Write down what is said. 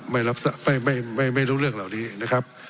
ไม่รู้เรื่องเหล่านี้นะครับ